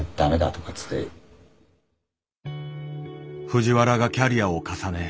藤原がキャリアを重ね